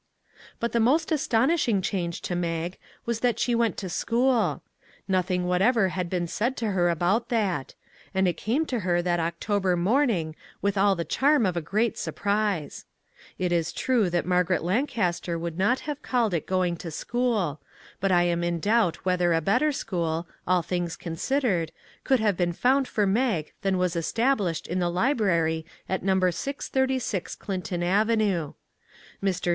But the most astonishing change to Mag was that she went to school. Nothing whatever had been said to her about that ; and it came to her that October morning with all the charm of a great surprise. It is true that Margaret Lan caster would not have called it going to school, but I am in doubt whether a better school, all things considered, could have been found for Mag than was established in the library at No. 636 Clinton avenue. Mr.